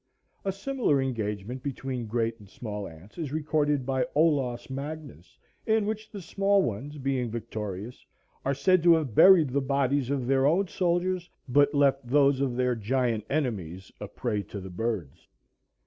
A similar engagement between great and small ants is recorded by Olaus Magnus, in which the small ones, being victorious, are said to have buried the bodies of their own soldiers, but left those of their giant enemies a prey to the birds.